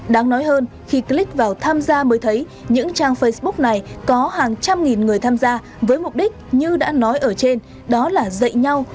đáng nói hơn khi click vào tham gia mới thấy những trang facebook này có hàng trăm nghìn người tham gia với mục đích như đã nói ở trên đó là dạy nhau